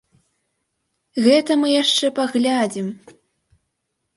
Гэта мы яшчэ паглядзім!